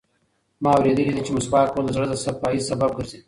ما اورېدلي دي چې مسواک وهل د زړه د صفایي سبب ګرځي.